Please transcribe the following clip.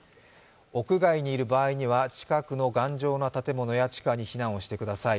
屋外にいる場合には近くの頑丈な建物や地下に避難をしてください。